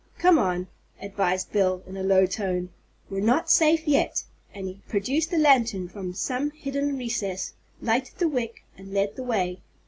"Come on," advised Bill, in a low tone, "We're not safe yet," and he produced a lantern from some hidden recess, lighted the wick, and led the way.